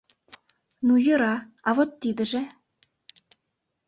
“Ну, йӧра, а вот тидыже?” —